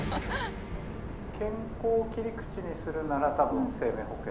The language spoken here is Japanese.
「健康を切り口にするならたぶん生命保険。